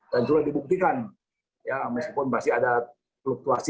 dan sudah dibuktikan ya meskipun masih ada fluktuasi